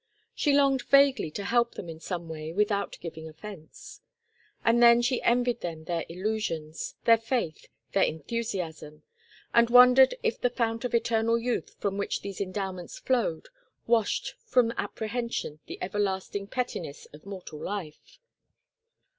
She longed vaguely to help them in some way without giving offence. And then she envied them their illusions, their faith, their enthusiasm, and wondered if the fount of eternal youth from which these endowments flowed washed from apprehension the everlasting pettiness of mortal life.